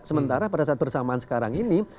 sementara pada saat bersamaan sekarang ini